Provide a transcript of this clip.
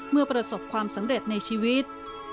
ประสบความสำเร็จในชีวิต